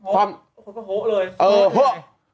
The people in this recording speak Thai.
โฮะโฮะเลย